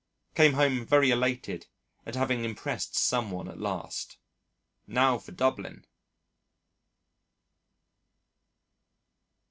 Came home very elated at having impressed some one at last. Now for Dublin.